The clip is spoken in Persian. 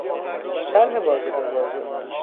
شرح واژه به واژه